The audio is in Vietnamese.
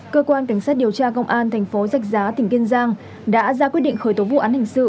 cơ quan cảnh sát điều tra công an tp giách giá tỉnh kiên giang đã ra quyết định khởi tố vụ án hình sự